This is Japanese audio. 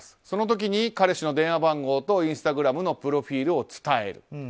その時に、彼氏の電話番号とインスタグラムのプロフィールを伝える。